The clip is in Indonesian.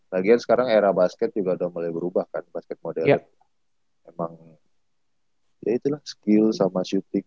lagian sekarang era basket juga udah mulai berubah kan basket modern emang ya itulah skill sama syuting